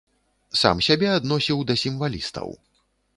Сам сябе адносіў да сімвалістаў.